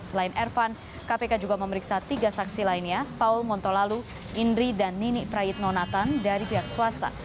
selain ervan kpk juga memeriksa tiga saksi lainnya paul montolalu indri dan nini prayitnonatan dari pihak swasta